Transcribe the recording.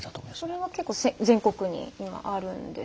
それは結構全国に今あるんですか。